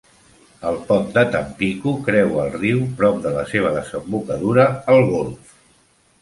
El pont de Tampico creua el riu prop de la seva desembocadura al golf.